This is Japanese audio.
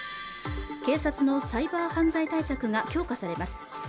警察のサイバー犯罪対策が強化されます